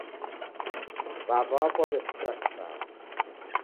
W'aw'a wapo waw'esikira kisaya